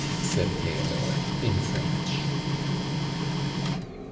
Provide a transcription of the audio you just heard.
said Theodore in French.